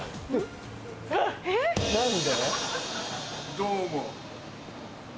どうも。